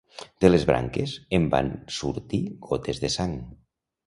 De les branques en van sortir gotes de sang.